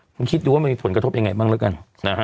คุณคิดดูว่ามันมีผลกระทบยังไงบ้างแล้วกัน